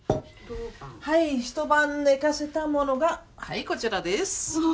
はい一晩寝かせたものがはいこちらです。